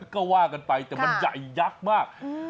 ก็ว่ากันไปแต่มันใหญ่ยักษ์มาก